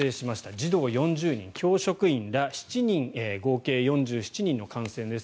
児童４０人、教職員ら７人合計４７人の感染です。